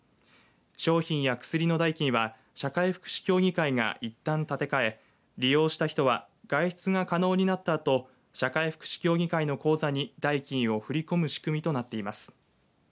商品や薬の代金は社会福祉協議会が一端立て替え利用した人は外出が可能になったあと社会福祉協議会の口座に代金を振り込む仕組みとなっています。